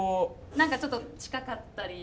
何かちょっと近かったり。